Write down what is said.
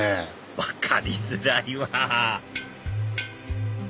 分かりづらいわ！